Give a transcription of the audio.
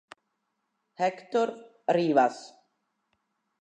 Héctor Rivas